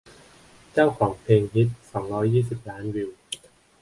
เจ้าของเพลงฮิต สองร้อยยี่สิบ ล้านวิว